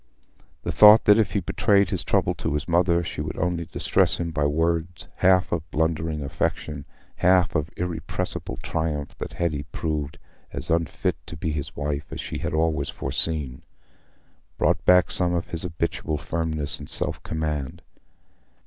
The thought that if he betrayed his trouble to his mother, she would only distress him by words, half of blundering affection, half of irrepressible triumph that Hetty proved as unfit to be his wife as she had always foreseen, brought back some of his habitual firmness and self command.